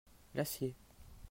L'acier.